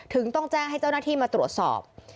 ต้องแจ้งให้เจ้าหน้าที่มาตรวจสอบ